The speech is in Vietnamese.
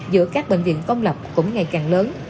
giữa các bệnh viện công lập cũng ngày càng lớn